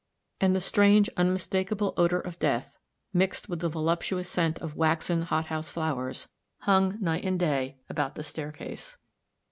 And the strange, unmistakable odour of death, mixed with the scent of waxen hot house flowers, hung, night and day, about the staircase.